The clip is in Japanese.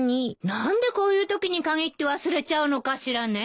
何でこういうときにかぎって忘れちゃうのかしらね。